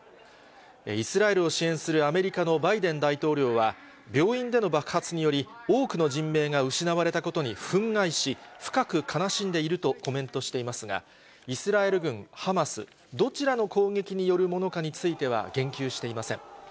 イスラエルを支援するアメリカのバイデン大統領は、病院での爆発により、多くの人命が失われたことに憤慨し、深く悲しんでいるとコメントしていますが、イスラエル軍、ハマス、どちらの攻撃によるものかについては言及していません。